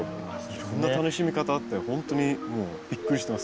いろんな楽しみ方あってほんとにもうびっくりしてます。